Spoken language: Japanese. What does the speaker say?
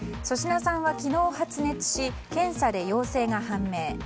粗品さんは昨日発熱し検査で陽性が判明。